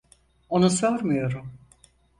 Onu sormuyorum.